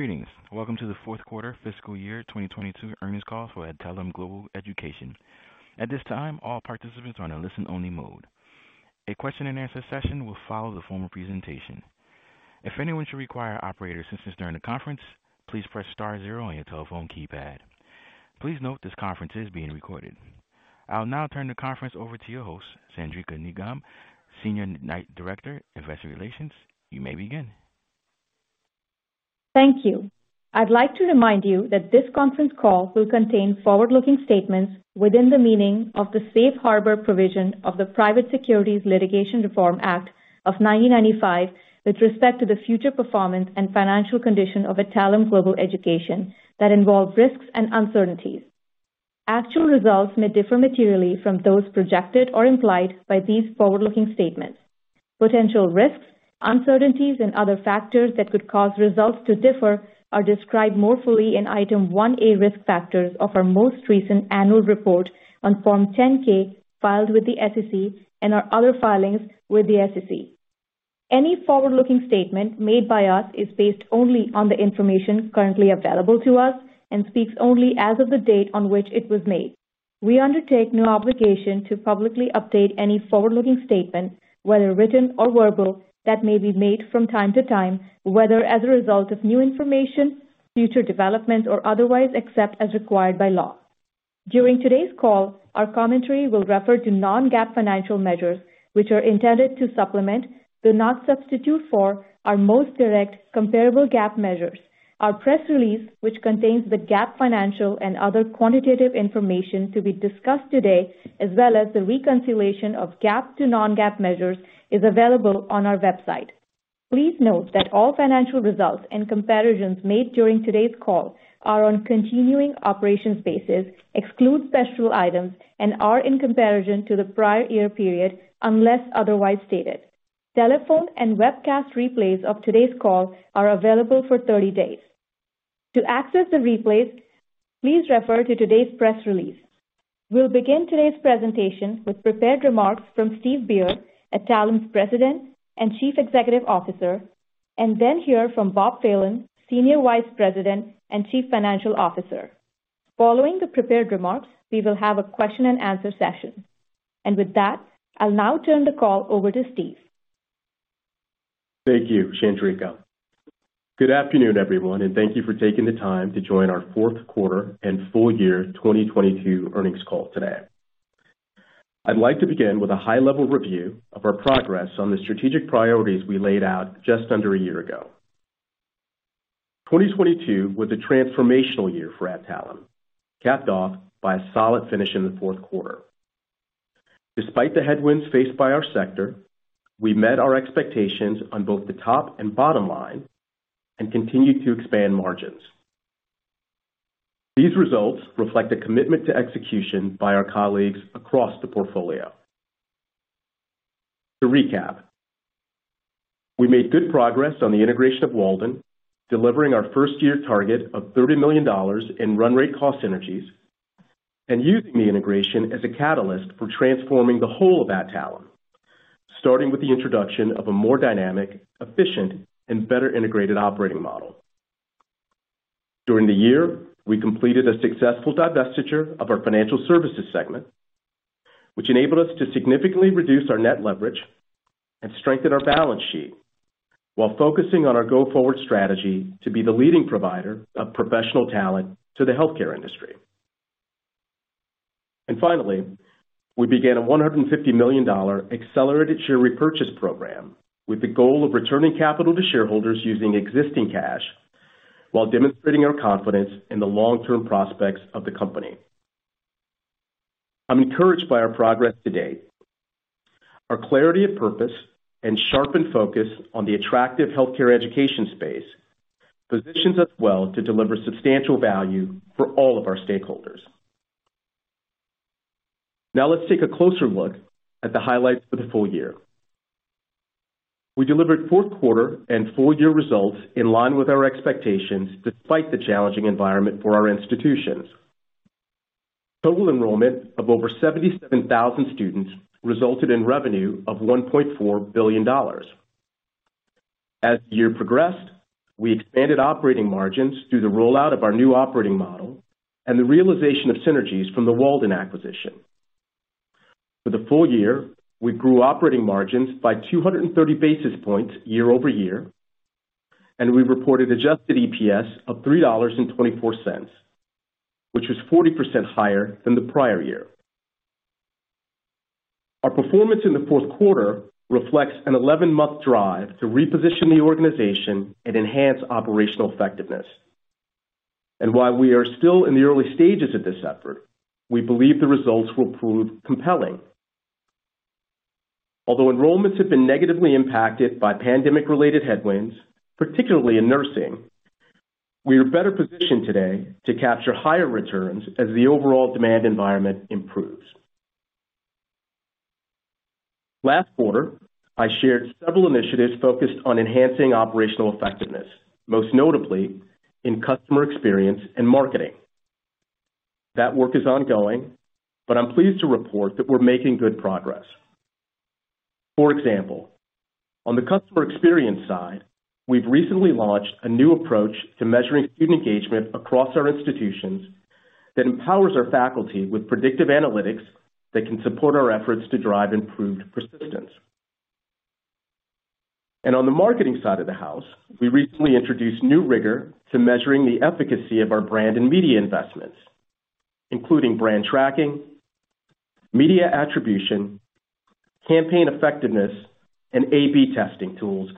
Greetings. Welcome to the fourth quarter fiscal year 2022 earnings call for Adtalem Global Education. At this time, all participants are in a listen-only mode. A question-and-answer session will follow the formal presentation. If anyone should require operator assistance during the conference, please press star zero on your telephone keypad. Please note this conference is being recorded. I'll now turn the conference over to your host, Chandrika Nigam, Senior Director, Investor Relations. You may begin. Thank you. I'd like to remind you that this conference call will contain forward-looking statements within the meaning of the Safe Harbor provision of the Private Securities Litigation Reform Act of 1995 with respect to the future performance and financial condition of Adtalem Global Education that involve risks and uncertainties. Actual results may differ materially from those projected or implied by these forward-looking statements. Potential risks, uncertainties, and other factors that could cause results to differ are described more fully in Item 1A Risk Factors of our most recent annual report on Form 10-K filed with the SEC and our other filings with the SEC. Any forward-looking statement made by us is based only on the information currently available to us and speaks only as of the date on which it was made. We undertake no obligation to publicly update any forward-looking statement, whether written or verbal, that may be made from time to time, whether as a result of new information, future developments, or otherwise, except as required by law. During today's call, our commentary will refer to non-GAAP financial measures, which are intended to supplement, but not substitute for, our most direct comparable GAAP measures. Our press release, which contains the GAAP financial and other quantitative information to be discussed today, as well as the reconciliation of GAAP to non-GAAP measures, is available on our website. Please note that all financial results and comparisons made during today's call are on continuing operations basis, exclude special items, and are in comparison to the prior year period, unless otherwise stated. Telephone and webcast replays of today's call are available for 30 days. To access the replays, please refer to today's press release. We'll begin today's presentation with prepared remarks from Steve Beard, Adtalem's President and Chief Executive Officer, and then hear from Bob Phelan, Senior Vice President and Chief Financial Officer. Following the prepared remarks, we will have a question-and-answer session. With that, I'll now turn the call over to Steve. Thank you, Chandrika. Good afternoon, everyone, and thank you for taking the time to join our fourth quarter and full year 2022 earnings call today. I'd like to begin with a high level review of our progress on the strategic priorities we laid out just under a year ago. 2022 was a transformational year for Adtalem, capped off by a solid finish in the fourth quarter. Despite the headwinds faced by our sector, we met our expectations on both the top and bottom line and continued to expand margins. These results reflect a commitment to execution by our colleagues across the portfolio. To recap, we made good progress on the integration of Walden, delivering our first year target of $30 million in run rate cost synergies and using the integration as a catalyst for transforming the whole of Adtalem, starting with the introduction of a more dynamic, efficient, and better integrated operating model. During the year, we completed a successful divestiture of our financial services segment, which enabled us to significantly reduce our net leverage and strengthen our balance sheet while focusing on our go forward strategy to be the leading provider of professional talent to the healthcare industry. Finally, we began a $150 million accelerated share repurchase program with the goal of returning capital to shareholders using existing cash while demonstrating our confidence in the long-term prospects of the company. I'm encouraged by our progress today. Our clarity of purpose and sharpened focus on the attractive healthcare education space positions us well to deliver substantial value for all of our stakeholders. Now let's take a closer look at the highlights for the full year. We delivered fourth quarter and full year results in line with our expectations despite the challenging environment for our institutions. Total enrollment of over 77,000 students resulted in revenue of $1.4 billion. As the year progressed, we expanded operating margins through the rollout of our new operating model and the realization of synergies from the Walden acquisition. For the full year, we grew operating margins by 230 basis points year-over-year, and we reported adjusted EPS of $3.24, which was 40% higher than the prior year. Our performance in the fourth quarter reflects an 11-month drive to reposition the organization and enhance operational effectiveness. While we are still in the early stages of this effort, we believe the results will prove compelling. Although enrollments have been negatively impacted by pandemic-related headwinds, particularly in nursing, we are better positioned today to capture higher returns as the overall demand environment improves. Last quarter, I shared several initiatives focused on enhancing operational effectiveness, most notably in customer experience and marketing. That work is ongoing, but I'm pleased to report that we're making good progress. For example, on the customer experience side, we've recently launched a new approach to measuring student engagement across our institutions that empowers our faculty with predictive analytics that can support our efforts to drive improved persistence. On the marketing side of the house, we recently introduced new rigor to measuring the efficacy of our brand and media investments, including brand tracking, media attribution, campaign effectiveness, and A/B testing tools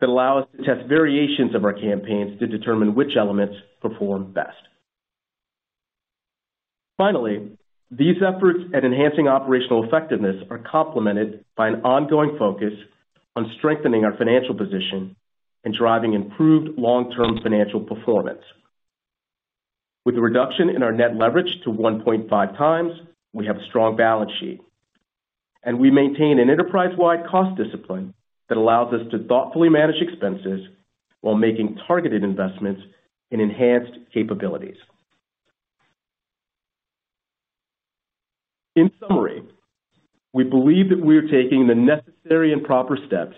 that allow us to test variations of our campaigns to determine which elements perform best. Finally, these efforts at enhancing operational effectiveness are complemented by an ongoing focus on strengthening our financial position and driving improved long-term financial performance. With a reduction in our net leverage to 1.5 times, we have a strong balance sheet, and we maintain an enterprise-wide cost discipline that allows us to thoughtfully manage expenses while making targeted investments in enhanced capabilities. In summary, we believe that we are taking the necessary and proper steps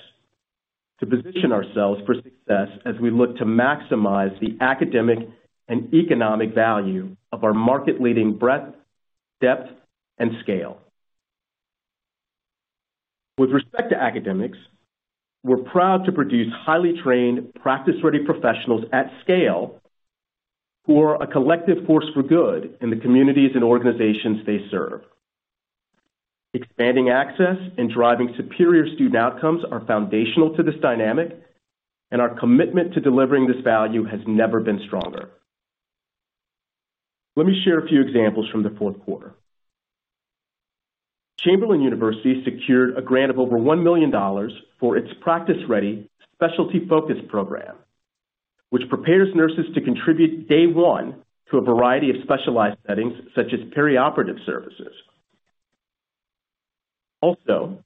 to position ourselves for success as we look to maximize the academic and economic value of our market-leading breadth, depth, and scale. With respect to academics, we're proud to produce highly trained, practice-ready professionals at scale who are a collective force for good in the communities and organizations they serve. Expanding access and driving superior student outcomes are foundational to this dynamic, and our commitment to delivering this value has never been stronger. Let me share a few examples from the fourth quarter. Chamberlain University secured a grant of over $1 million for its practice-ready specialty focus program, which prepares nurses to contribute day one to a variety of specialized settings such as perioperative services. Also,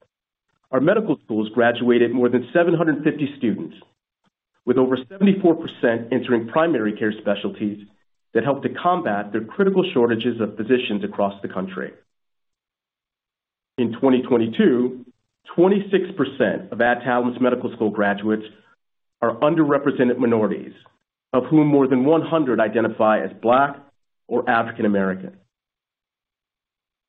our medical schools graduated more than 750 students, with over 74% entering primary care specialties that help to combat the critical shortages of physicians across the country. In 2022, 26% of Adtalem's medical school graduates are underrepresented minorities, of whom more than 100 identify as Black or African American.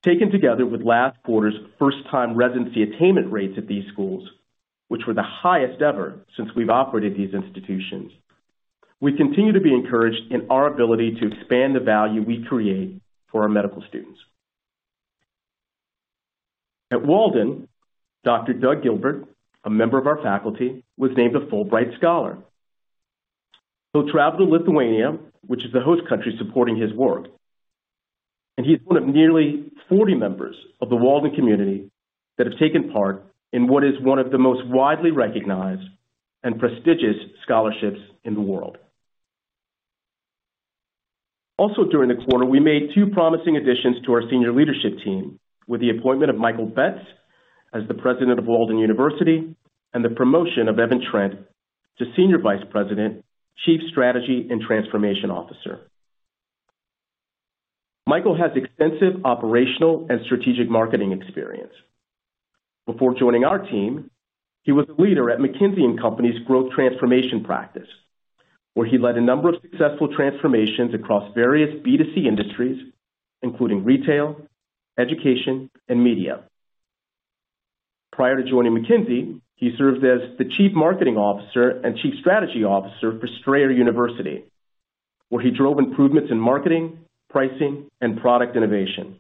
Taken together with last quarter's first-time residency attainment rates at these schools, which were the highest ever since we've operated these institutions, we continue to be encouraged in our ability to expand the value we create for our medical students. At Walden, Dr. Doug Gilbert, a member of our faculty, was named a Fulbright Scholar. He'll travel to Lithuania, which is the host country supporting his work, and he's one of nearly 40 members of the Walden community that have taken part in what is one of the most widely recognized and prestigious scholarships in the world. Also during the quarter, we made two promising additions to our senior leadership team with the appointment of Michael Betz as the president of Walden University and the promotion of Evan Trent to Senior Vice President, Chief Strategy and Transformation Officer. Michael has extensive operational and strategic marketing experience. Before joining our team, he was a leader at McKinsey & Company's growth transformation practice, where he led a number of successful transformations across various B2C industries, including retail, education, and media. Prior to joining McKinsey, he served as the Chief Marketing Officer and Chief Strategy Officer for Strayer University, where he drove improvements in marketing, pricing, and product innovation.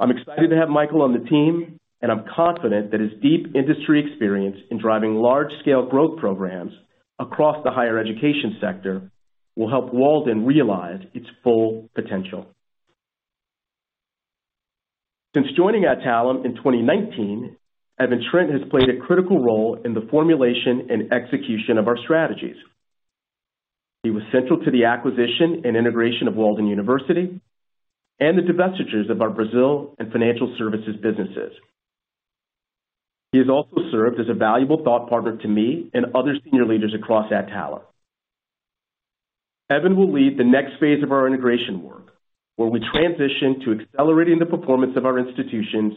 I'm excited to have Michael on the team, and I'm confident that his deep industry experience in driving large-scale growth programs across the higher education sector will help Walden realize its full potential. Since joining Adtalem in 2019, Evan Trent has played a critical role in the formulation and execution of our strategies. He was central to the acquisition and integration of Walden University and the divestitures of our Brazil and financial services businesses. He has also served as a valuable thought partner to me and other senior leaders across Adtalem. Evan will lead the next phase of our integration work, where we transition to accelerating the performance of our institutions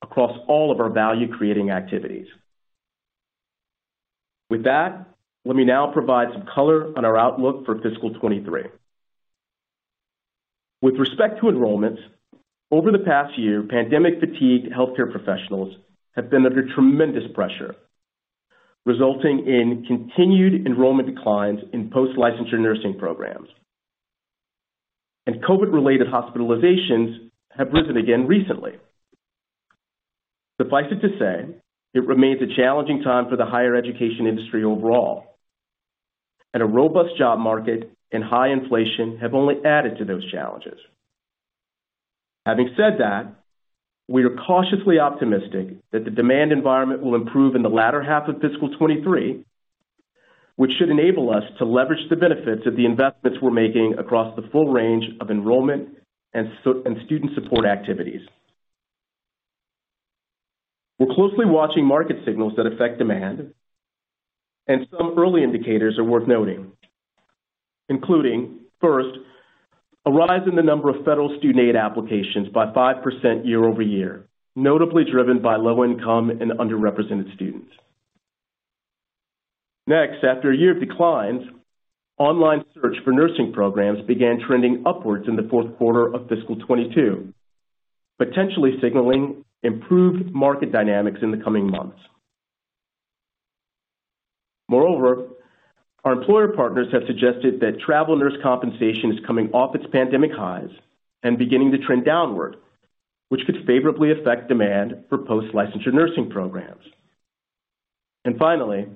across all of our value-creating activities. With that, let me now provide some color on our outlook for fiscal 2023. With respect to enrollments, over the past year, pandemic-fatigued healthcare professionals have been under tremendous pressure, resulting in continued enrollment declines in post-licensure nursing programs. COVID-related hospitalizations have risen again recently. Suffice it to say, it remains a challenging time for the higher education industry overall. A robust job market and high inflation have only added to those challenges. Having said that, we are cautiously optimistic that the demand environment will improve in the latter half of fiscal 2023, which should enable us to leverage the benefits of the investments we're making across the full range of enrollment and student support activities. We're closely watching market signals that affect demand, and some early indicators are worth noting. Including first, a rise in the number of federal student aid applications by 5% year-over-year, notably driven by low-income and underrepresented students. Next, after a year of declines, online search for nursing programs began trending upwards in the fourth quarter of fiscal 2022, potentially signaling improved market dynamics in the coming months. Moreover, our employer partners have suggested that travel nurse compensation is coming off its pandemic highs and beginning to trend downward, which could favorably affect demand for post-licensure nursing programs. Finally,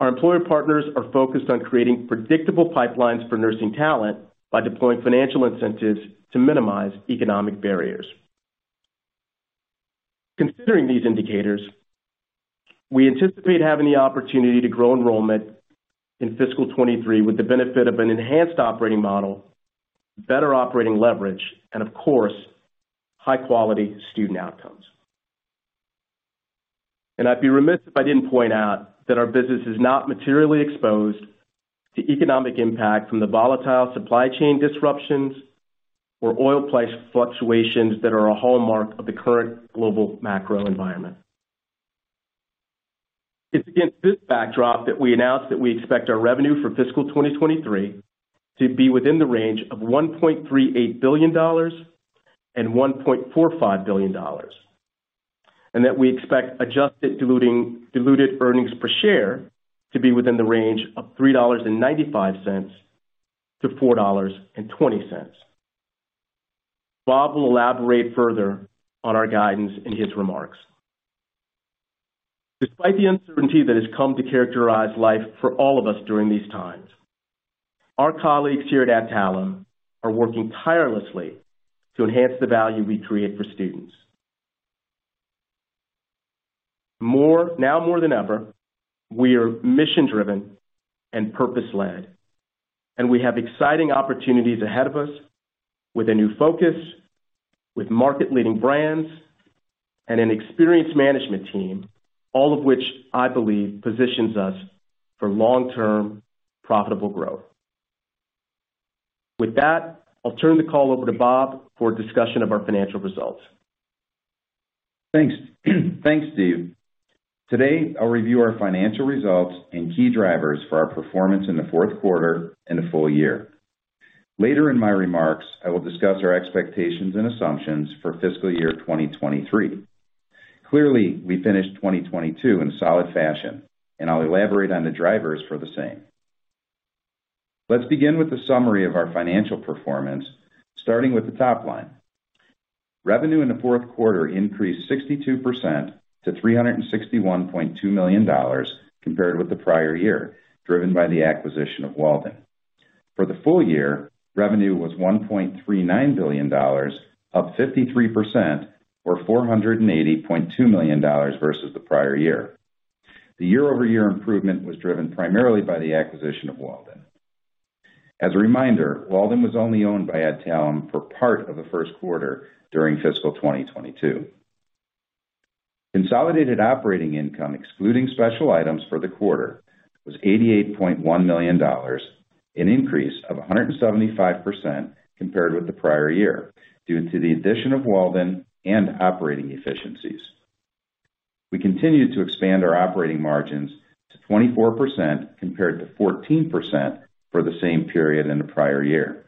our employer partners are focused on creating predictable pipelines for nursing talent by deploying financial incentives to minimize economic barriers. Considering these indicators, we anticipate having the opportunity to grow enrollment in fiscal 23 with the benefit of an enhanced operating model, better operating leverage and of course, high-quality student outcomes. I'd be remiss if I didn't point out that our business is not materially exposed to economic impact from the volatile supply chain disruptions or oil price fluctuations that are a hallmark of the current global macro environment. It's against this backdrop that we announced that we expect our revenue for fiscal 2023 to be within the range of $1.38 billion-$1.45 billion. That we expect adjusted diluted earnings per share to be within the range of $3.95-$4.20. Bob will elaborate further on our guidance in his remarks. Despite the uncertainty that has come to characterize life for all of us during these times, our colleagues here at Adtalem are working tirelessly to enhance the value we create for students. Now more than ever, we are mission-driven and purpose-led, and we have exciting opportunities ahead of us with a new focus, with market-leading brands and an experienced management team, all of which I believe positions us for long-term profitable growth. With that, I'll turn the call over to Bob for a discussion of our financial results. Thanks. Thanks, Steve. Today, I'll review our financial results and key drivers for our performance in the fourth quarter and the full year. Later in my remarks, I will discuss our expectations and assumptions for fiscal year 2023. Clearly, we finished 2022 in solid fashion, and I'll elaborate on the drivers for the same. Let's begin with a summary of our financial performance, starting with the top line. Revenue in the fourth quarter increased 62% to $361.2 million compared with the prior year, driven by the acquisition of Walden. For the full year, revenue was $1.39 billion, up 53% or $480.2 million versus the prior year. The year-over-year improvement was driven primarily by the acquisition of Walden. As a reminder, Walden was only owned by Adtalem for part of the first quarter during fiscal 2022. Consolidated operating income, excluding special items for the quarter, was $88.1 million, an increase of 175% compared with the prior year, due to the addition of Walden and operating efficiencies. We continued to expand our operating margins to 24%, compared to 14% for the same period in the prior year.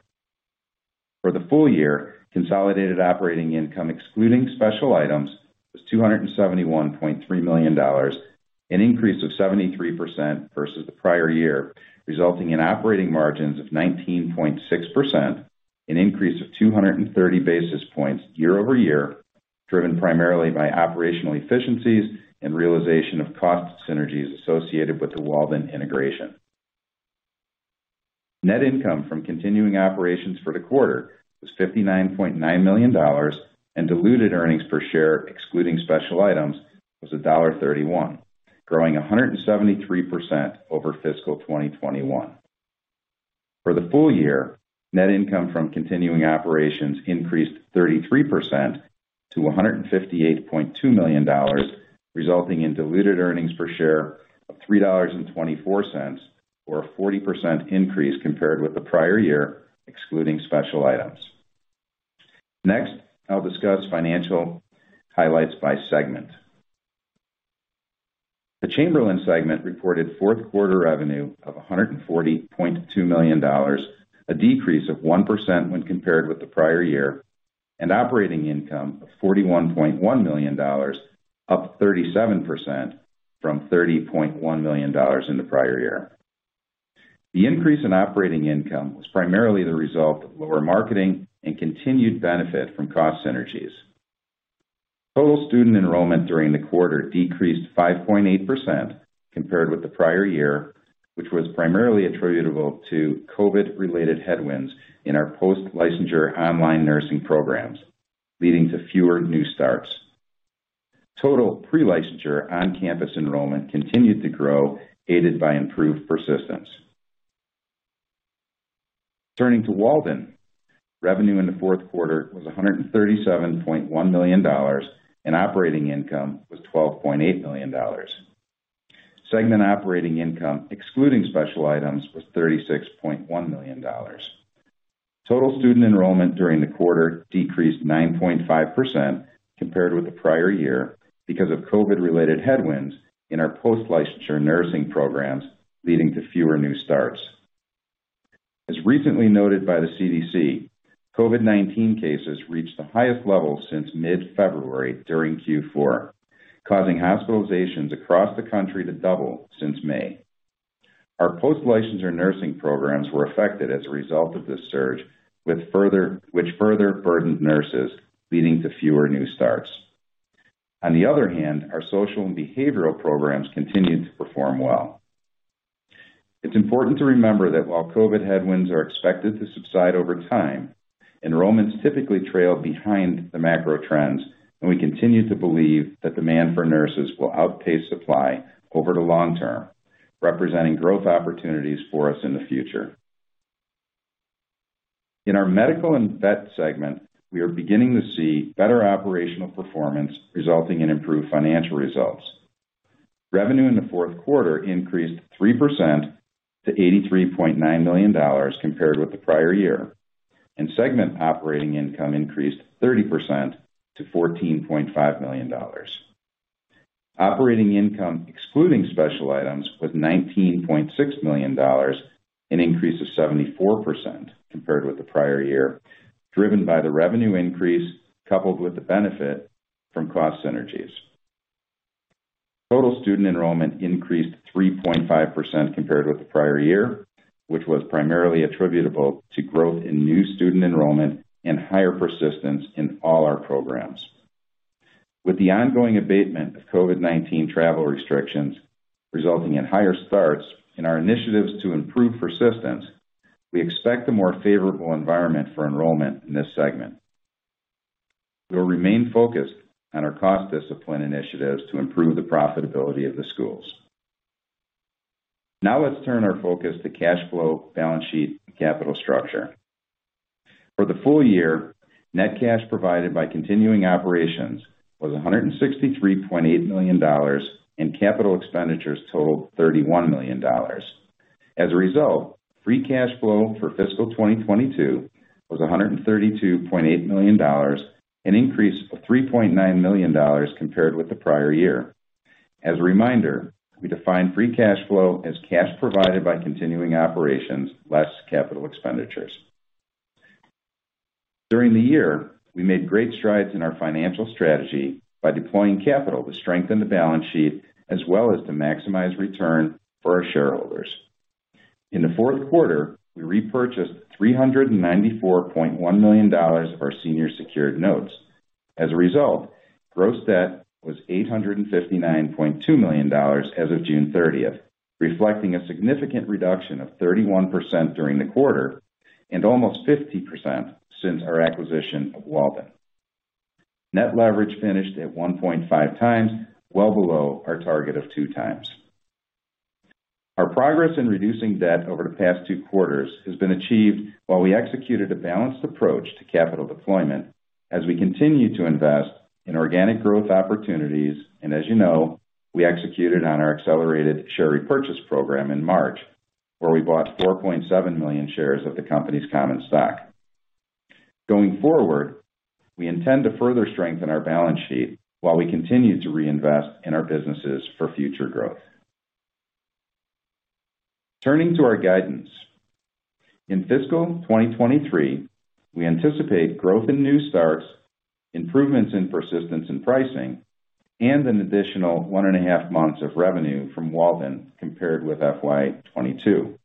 For the full year, consolidated operating income excluding special items was $271.3 million, an increase of 73% versus the prior year, resulting in operating margins of 19.6%, an increase of 230 basis points year-over-year, driven primarily by operational efficiencies and realization of cost synergies associated with the Walden integration. Net income from continuing operations for the quarter was $59.9 million, and diluted earnings per share excluding special items was $1.31, growing 173% over fiscal 2021. For the full year, net income from continuing operations increased 33% to $158.2 million, resulting in diluted earnings per share of $3.24 or a 40% increase compared with the prior year, excluding special items. Next, I'll discuss financial highlights by segment. The Chamberlain segment reported fourth quarter revenue of $140.2 million, a decrease of 1% when compared with the prior year, and operating income of $41.1 million, up 37% from $30.1 million in the prior year. The increase in operating income was primarily the result of lower marketing and continued benefit from cost synergies. Total student enrollment during the quarter decreased 5.8% compared with the prior year, which was primarily attributable to COVID-related headwinds in our post-licensure online nursing programs, leading to fewer new starts. Total pre-licensure on-campus enrollment continued to grow, aided by improved persistence. Turning to Walden. Revenue in the fourth quarter was $137.1 million, and operating income was $12.8 million. Segment operating income, excluding special items, was $36.1 million. Total student enrollment during the quarter decreased 9.5% compared with the prior year because of COVID-related headwinds in our post-licensure nursing programs, leading to fewer new starts. As recently noted by the CDC, COVID-19 cases reached the highest level since mid-February during Q4, causing hospitalizations across the country to double since May. Our post-licensure nursing programs were affected as a result of this surge which further burdened nurses, leading to fewer new starts. On the other hand, our social and behavioral programs continued to perform well. It's important to remember that while COVID headwinds are expected to subside over time, enrollments typically trail behind the macro trends, and we continue to believe that demand for nurses will outpace supply over the long term, representing growth opportunities for us in the future. In our medical and vet segment, we are beginning to see better operational performance resulting in improved financial results. Revenue in the fourth quarter increased 3% to $83.9 million compared with the prior year, and segment operating income increased 30% to $14.5 million. Operating income, excluding special items, was $19.6 million, an increase of 74% compared with the prior year, driven by the revenue increase coupled with the benefit from cost synergies. Total student enrollment increased 3.5% compared with the prior year, which was primarily attributable to growth in new student enrollment and higher persistence in all our programs. With the ongoing abatement of COVID-19 travel restrictions resulting in higher starts and our initiatives to improve persistence, we expect a more favorable environment for enrollment in this segment. We'll remain focused on our cost discipline initiatives to improve the profitability of the schools. Now let's turn our focus to cash flow, balance sheet, and capital structure. For the full year, net cash provided by continuing operations was $163.8 million, and capital expenditures totaled $31 million. As a result, free cash flow for fiscal 2022 was $132.8 million, an increase of $3.9 million compared with the prior year. As a reminder, we define free cash flow as cash provided by continuing operations less capital expenditures. During the year, we made great strides in our financial strategy by deploying capital to strengthen the balance sheet as well as to maximize return for our shareholders. In the fourth quarter, we repurchased $394.1 million of our senior secured notes. As a result, gross debt was $859.2 million as of June 30, reflecting a significant reduction of 31% during the quarter and almost 50% since our acquisition of Walden. Net leverage finished at 1.5x, well below our target of 2x. Our progress in reducing debt over the past two quarters has been achieved while we executed a balanced approach to capital deployment as we continue to invest in organic growth opportunities. As you know, we executed on our accelerated share repurchase program in March, where we bought 4.7 million shares of the company's common stock. Going forward, we intend to further strengthen our balance sheet while we continue to reinvest in our businesses for future growth. Turning to our guidance. In fiscal 2023, we anticipate growth in new starts, improvements in persistence in pricing, and an additional 1.5 months of revenue from Walden compared with FY 2022.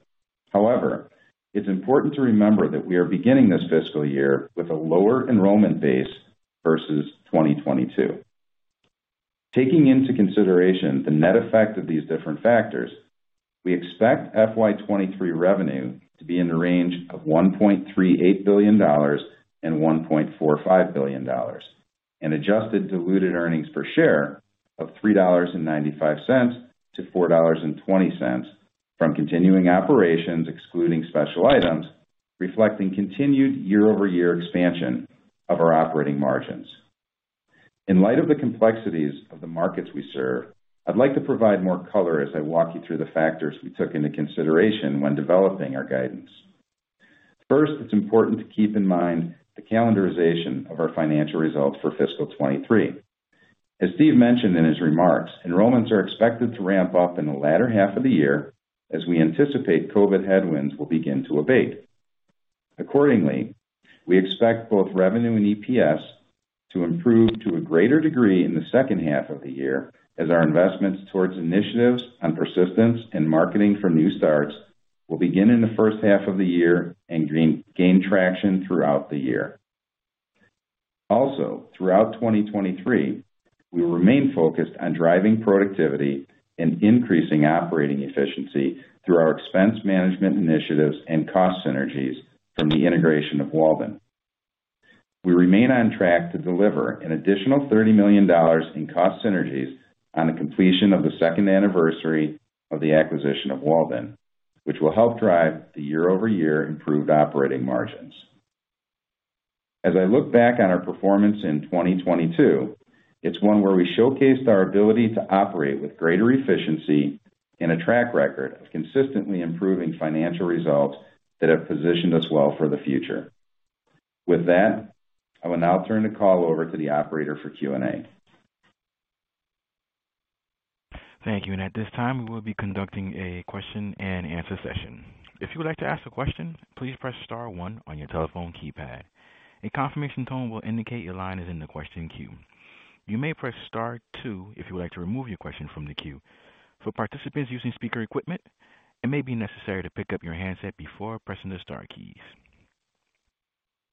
However, it's important to remember that we are beginning this fiscal year with a lower enrollment base versus 2022. Taking into consideration the net effect of these different factors, we expect FY 2023 revenue to be in the range of $1.38 billion-$1.45 billion, and adjusted diluted earnings per share of $3.95-$4.20 from continuing operations excluding special items, reflecting continued year-over-year expansion of our operating margins. In light of the complexities of the markets we serve, I'd like to provide more color as I walk you through the factors we took into consideration when developing our guidance. First, it's important to keep in mind the calendarization of our financial results for fiscal 2023. As Steve mentioned in his remarks, enrollments are expected to ramp up in the latter half of the year as we anticipate COVID headwinds will begin to abate. Accordingly, we expect both revenue and EPS to improve to a greater degree in the second half of the year as our investments towards initiatives on persistence and marketing for new starts will begin in the first half of the year and gain traction throughout the year. Also, throughout 2023, we will remain focused on driving productivity and increasing operating efficiency through our expense management initiatives and cost synergies from the integration of Walden. We remain on track to deliver an additional $30 million in cost synergies on the completion of the second anniversary of the acquisition of Walden, which will help drive the year-over-year improved operating margins. As I look back on our performance in 2022, it's one where we showcased our ability to operate with greater efficiency and a track record of consistently improving financial results that have positioned us well for the future. With that, I will now turn the call over to the operator for Q&A. Thank you. At this time, we will be conducting a question-and-answer session. If you would like to ask a question, please press star one on your telephone keypad. A confirmation tone will indicate your line is in the question queue. You may press star two if you would like to remove your question from the queue. For participants using speaker equipment, it may be necessary to pick up your handset before pressing the star keys.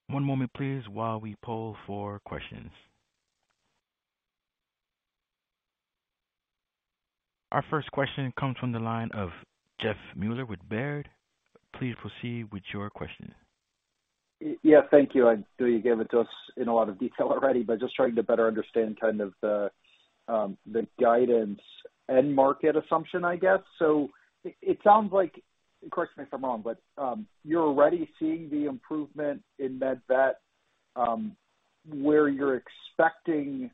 One moment please, while we poll for questions. Our first question comes from the line of Jeff Meuler with Baird. Please proceed with your question. Yeah, thank you. I know you gave it to us in a lot of detail already, but just trying to better understand kind of the guidance and market assumption, I guess. It sounds like, correct me if I'm wrong, but you're already seeing the improvement in MedVet, where you're expecting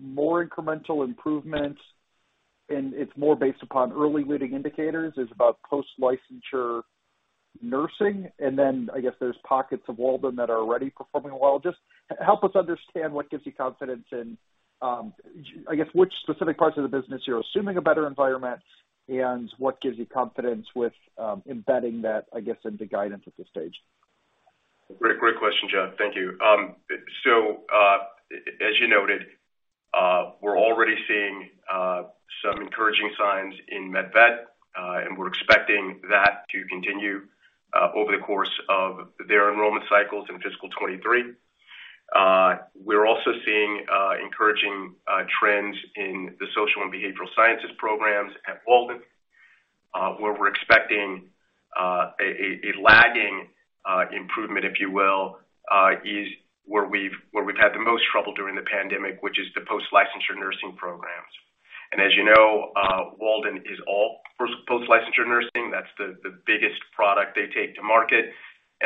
more incremental improvements, and it's more based upon early leading indicators about post-licensure nursing. Then I guess there's pockets of Walden that are already performing well. Just help us understand what gives you confidence in, I guess, which specific parts of the business you're assuming a better environment and what gives you confidence with embedding that, I guess, into guidance at this stage. Great. Great question, Jeff. Thank you. So, as you noted, we're already seeing some encouraging signs in MedVet, and we're expecting that to continue over the course of their enrollment cycles in fiscal 2023. We're also seeing encouraging trends in the social and behavioral sciences programs at Walden, where we're expecting a lagging improvement, if you will, is where we've had the most trouble during the pandemic, which is the post-licensure nursing programs. As you know, Walden is all post-licensure nursing. That's the biggest product they take to market.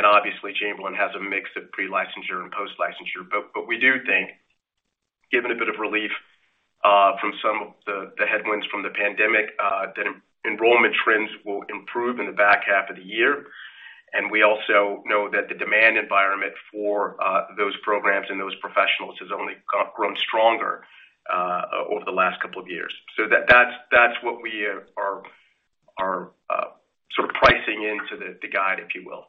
Obviously Chamberlain has a mix of pre-licensure and post-licensure. We do think, given a bit of relief from some of the headwinds from the pandemic, that enrollment trends will improve in the back half of the year. We also know that the demand environment for those programs and those professionals has only grown stronger over the last couple of years. That's what we are sort of pricing into the guide, if you will.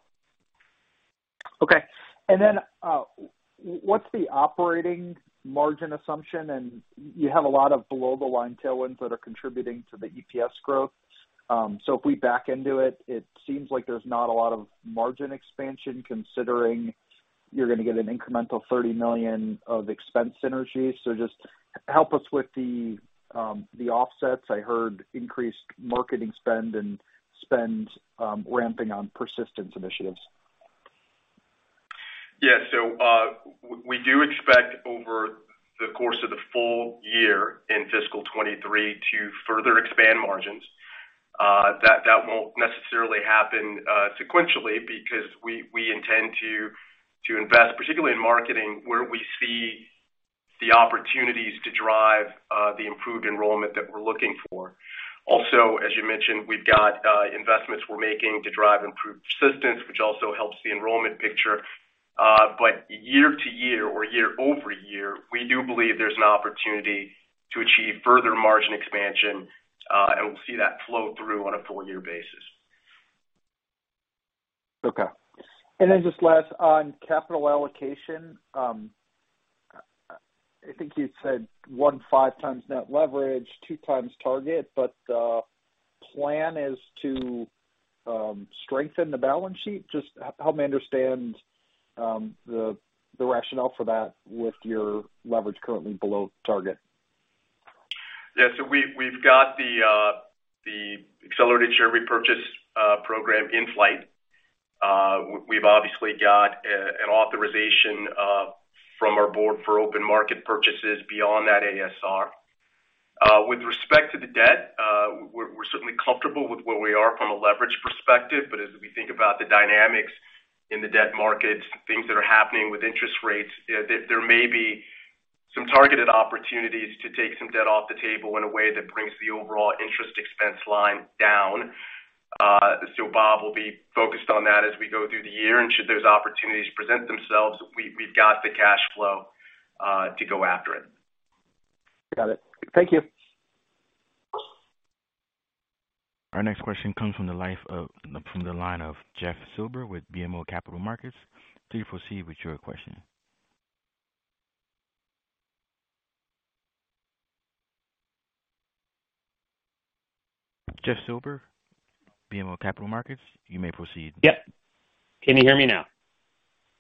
What's the operating margin assumption? You have a lot of below-the-line tailwinds that are contributing to the EPS growth. If we back into it seems like there's not a lot of margin expansion considering you're gonna get an incremental $30 million of expense synergies. Just help us with the offsets. I heard increased marketing spend ramping on persistence initiatives. Yeah. We do expect over the course of the full year in fiscal 2023 to further expand margins. That won't necessarily happen sequentially because we intend to invest, particularly in marketing, where we see the opportunities to drive the improved enrollment that we're looking for. Also, as you mentioned, we've got investments we're making to drive improved persistence, which also helps the enrollment picture. Year to year or year-over-year, we do believe there's an opportunity to achieve further margin expansion, and we'll see that flow through on a full year basis. Just last on capital allocation. I think you said 1.5 times net leverage, 2 times target, but the plan is to strengthen the balance sheet. Just help me understand the rationale for that with your leverage currently below target. Yeah. We've got the accelerated share repurchase program in flight. We've obviously got an authorization from our board for open market purchases beyond that ASR. With respect to the debt, we're certainly comfortable with where we are from a leverage perspective, but as we think about the dynamics in the debt markets, things that are happening with interest rates, there may be some targeted opportunities to take some debt off the table in a way that brings the overall interest expense line down. Bob will be focused on that as we go through the year, and should those opportunities present themselves, we've got the cash flow to go after it. Got it. Thank you. Our next question comes from the line of Jeff Silber with BMO Capital Markets. Please proceed with your question. Jeff Silber, BMO Capital Markets, you may proceed. Yep. Can you hear me now?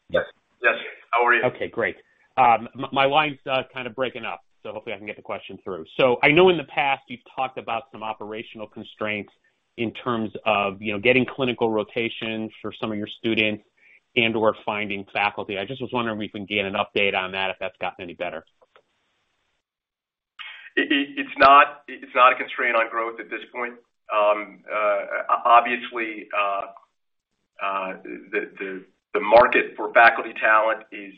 Yes. Yes. How are you? Okay, great. My line's kind of breaking up, so hopefully I can get the question through. I know in the past you've talked about some operational constraints in terms of, you know, getting clinical rotations for some of your students and/or finding faculty. I just was wondering if we can get an update on that, if that's gotten any better. It's not a constraint on growth at this point. Obviously, the market for faculty talent is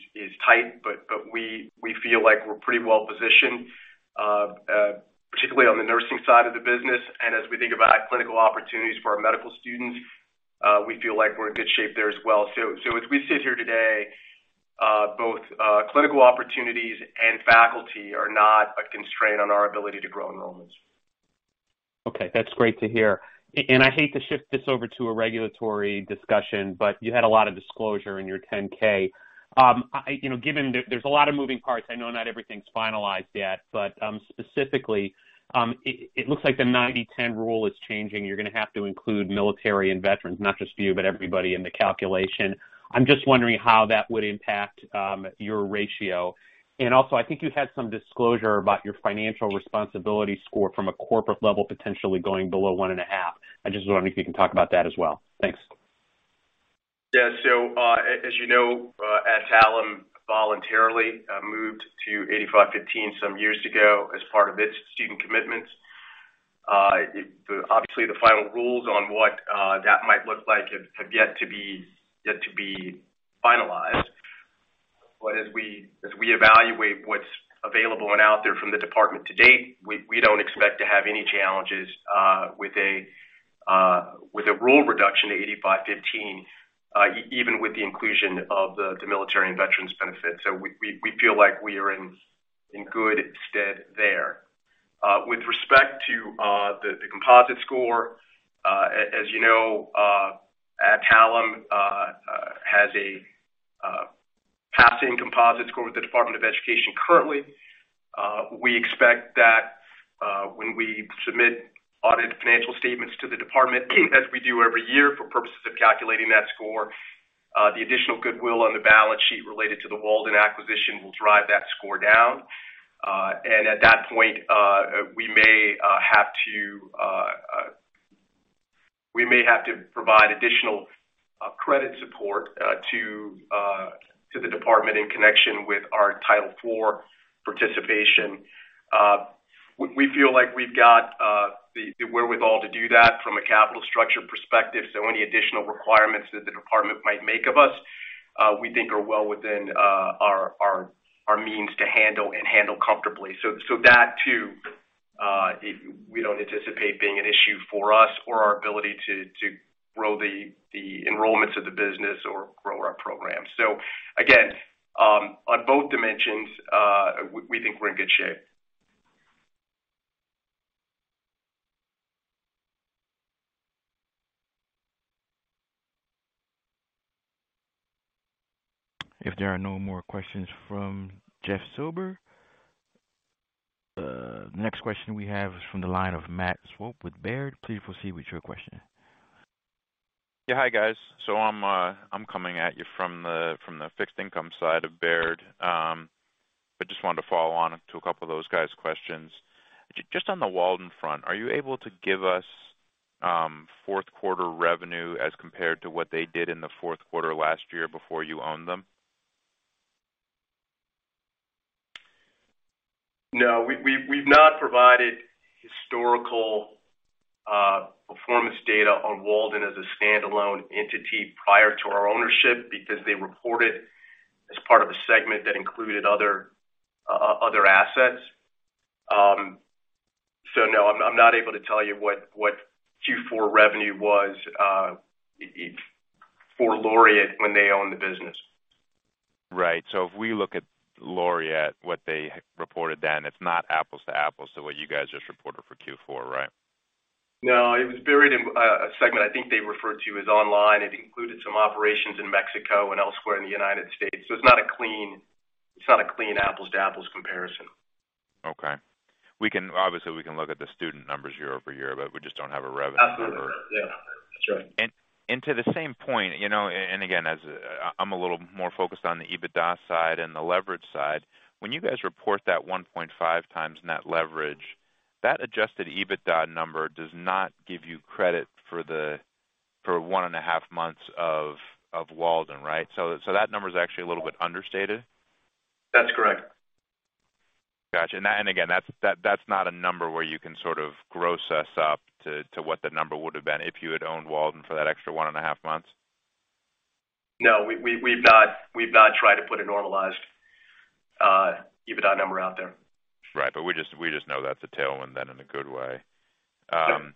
tight, but we feel like we're pretty well-positioned, particularly on the nursing side of the business. As we think about clinical opportunities for our medical students, we feel like we're in good shape there as well. As we sit here today, both clinical opportunities and faculty are not a constraint on our ability to grow enrollments. Okay, that's great to hear. I hate to shift this over to a regulatory discussion, but you had a lot of disclosure in your 10-K. You know, given there's a lot of moving parts, I know not everything's finalized yet, but specifically, it looks like the 90/10 rule is changing. You're gonna have to include military and veterans, not just you, but everybody in the calculation. I'm just wondering how that would impact your ratio. I think you had some disclosure about your financial responsibility score from a corporate level potentially going below 1.5. I just wonder if you can talk about that as well. Thanks. Yeah. As you know, Adtalem voluntarily moved to 85/15 some years ago as part of its student commitments. Obviously, the final rules on what that might look like have yet to be finalized. As we evaluate what's available and out there from the Department to date, we don't expect to have any challenges with a rule reduction to 85/15, even with the inclusion of the military and veterans benefit. We feel like we are in good stead there. With respect to the composite score, as you know, Adtalem has a passing composite score with the Department of Education currently. We expect that, when we submit audited financial statements to the department, as we do every year for purposes of calculating that score, the additional goodwill on the balance sheet related to the Walden acquisition will drive that score down. At that point, we may have to provide additional credit support to the department in connection with our Title IV participation. We feel like we've got the wherewithal to do that from a capital structure perspective. Any additional requirements that the department might make of us, we think are well within our means to handle comfortably. That too, we don't anticipate being an issue for us or our ability to grow the enrollments of the business or grow our programs. Again, on both dimensions, we think we're in good shape. If there are no more questions from Jeff Silber, next question we have is from the line of Jeff Meuler with Baird. Please proceed with your question. Yeah. Hi, guys. I'm coming at you from the fixed income side of Baird. I just wanted to follow on to a couple of those guys' questions. Just on the Walden front, are you able to give us fourth quarter revenue as compared to what they did in the fourth quarter last year before you owned them? No, we've not provided historical performance data on Walden as a standalone entity prior to our ownership because they reported as part of a segment that included other assets. No, I'm not able to tell you what Q4 revenue was for Laureate when they owned the business. Right. If we look at Laureate, what they reported then, it's not apples to apples to what you guys just reported for Q4, right? No, it was buried in a segment I think they referred to as online. It included some operations in Mexico and elsewhere in the United States. It's not a clean apples to apples comparison. Okay. We can obviously look at the student numbers year-over-year, but we just don't have a revenue number. Absolutely. Yeah. That's right. To the same point, you know, and again, as I'm a little more focused on the EBITDA side and the leverage side. When you guys report that 1.5 times net leverage, that adjusted EBITDA number does not give you credit for 1.5 months of Walden, right? That number is actually a little bit understated. That's correct. Got you. Again, that's not a number where you can sort of gross us up to what the number would have been if you had owned Walden for that extra one and a half months. No, we've not tried to put a normalized EBITDA number out there. Right. We just know that's a tailwind then in a good way. Sure.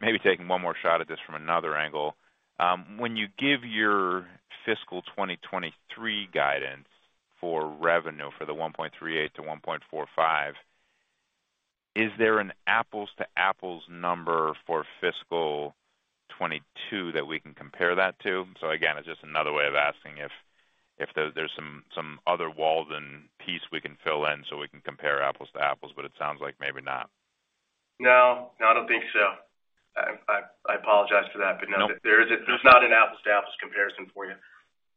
Maybe taking one more shot at this from another angle. When you give your fiscal 2023 guidance for revenue $1.38-$1.45, is there an apples to apples number for fiscal 2022 that we can compare that to? Again, it's just another way of asking if there's some other Walden piece we can fill in so we can compare apples to apples, but it sounds like maybe not. No, I don't think so. I apologize for that, but no. Nope. There's not an apples-to-apples comparison for you.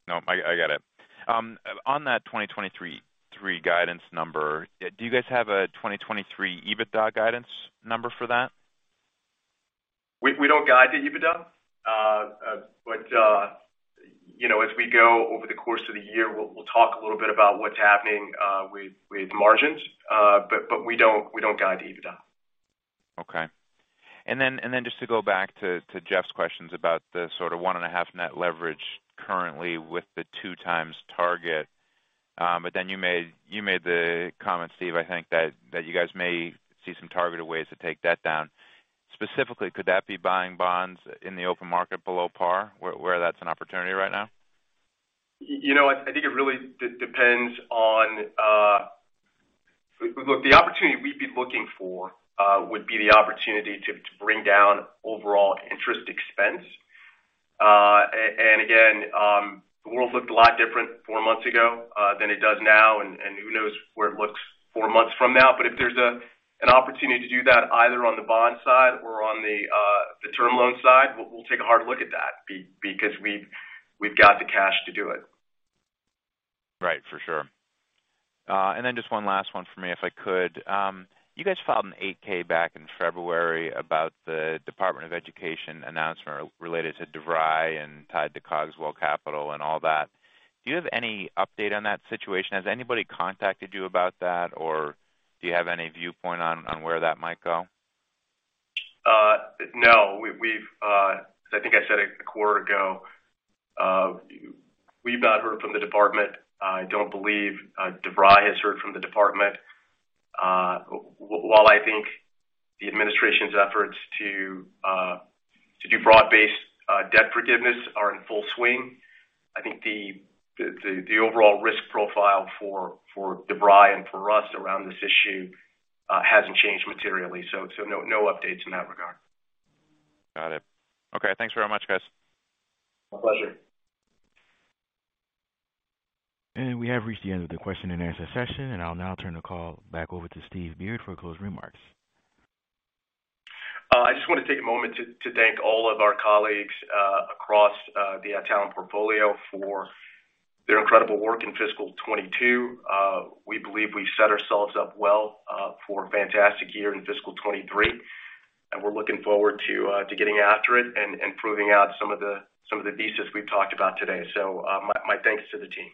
No, I got it. On that 2023 guidance number, do you guys have a 2023 EBITDA guidance number for that? We don't guide to EBITDA. You know, as we go over the course of the year, we'll talk a little bit about what's happening with margins. We don't guide to EBITDA. Okay. Just to go back to Jeff's questions about the sort of 1.5 net leverage currently with the 2 times target. You made the comment, Steve, I think that you guys may see some targeted ways to take that down. Specifically, could that be buying bonds in the open market below par where that's an opportunity right now? You know, I think it really depends on. Look, the opportunity we'd be looking for would be the opportunity to bring down overall interest expense. And again, the world looked a lot different four months ago than it does now, and who knows where it looks four months from now. If there's an opportunity to do that, either on the bond side or on the term loan side, we'll take a hard look at that because we've got the cash to do it. Right. For sure. Just one last one for me, if I could. You guys filed an 8-K back in February about the Department of Education announcement related to DeVry and tied to Cogswell Education and all that. Do you have any update on that situation? Has anybody contacted you about that or do you have any viewpoint on where that might go? No. I think I said it a quarter ago. We've not heard from the department. I don't believe DeVry has heard from the department. While I think the administration's efforts to do broad-based debt forgiveness are in full swing, I think the overall risk profile for DeVry and for us around this issue hasn't changed materially. No updates in that regard. Got it. Okay, thanks very much, guys. My pleasure. We have reached the end of the question-and-answer session, and I'll now turn the call back over to Steve Beard for closing remarks. I just wanna take a moment to thank all of our colleagues across the Adtalem portfolio for their incredible work in fiscal 2022. We believe we set ourselves up well for a fantastic year in fiscal 2023, and we're looking forward to getting after it and proving out some of the thesis we've talked about today. My thanks to the team.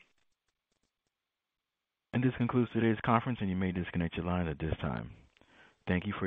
This concludes today's conference, and you may disconnect your line at this time. Thank you for your participation.